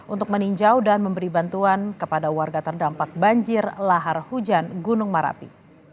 untuk meninjau dan memberi bantuan kepada warga terdampak banjir lahar hujan gunung merapi